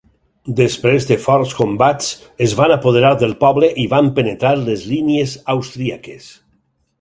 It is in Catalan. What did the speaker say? Després de forts combats, es van apoderar del poble i van penetrar les línies austríaques.